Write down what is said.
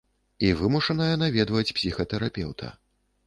І вымушаная наведваць псіхатэрапеўта.